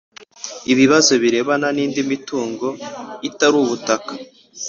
Ibibazo birebana n indi mitungo itari ubutaka